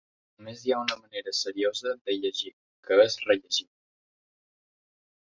Només hi ha una manera seriosa de llegir, que és rellegir.